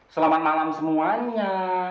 selamat malam semuanya